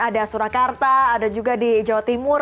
ada surakarta ada juga di jawa timur